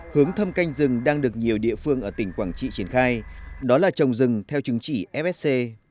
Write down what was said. hướng thâm canh rừng đang được nhiều địa phương ở tỉnh quảng trị triển khai đó là trồng rừng theo chứng chỉ fsc